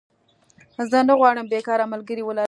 زه نه غواړم بيکاره ملګری ولرم